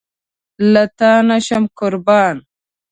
له تانه شم قربان